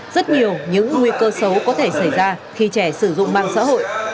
rất nhiều những nguy cơ xấu có thể xảy ra khi trẻ sử dụng mạng xã hội